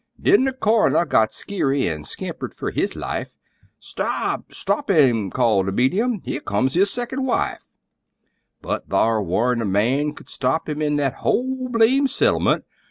Then the coroner got skeery an' scampered fer his life! "Stop stop him!" said the medium; "here comes his second wife!" But thar' warn't a man could stop him in that whole blame settlement.